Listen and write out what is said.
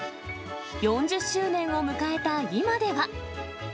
４０周年を迎えた今では。